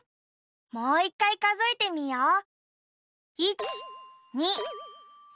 もう１かいかぞえてみよう。